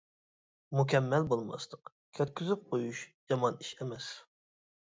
مۇكەممەل بولماسلىق، كەتكۈزۈپ قويۇش يامان ئىش ئەمەس.